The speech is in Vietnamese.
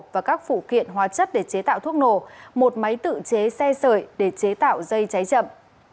và các phụ kiện hóa chất để chế tạo thuốc nổ một máy tự chế xe sợi để chế tạo dây cháy chậm